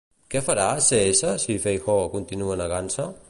Què farà Cs si Feijóó continua negant-se?